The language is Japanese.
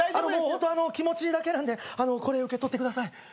ホント気持ちだけなんでこれ受け取ってください。